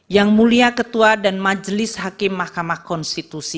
yang mulia ketua dan majelis hakim mahkamah konstitusi